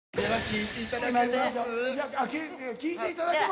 聴いていただきますよ